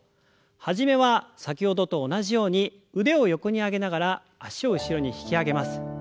始めは先ほどと同じように腕を横に上げながら脚を後ろに引き上げます。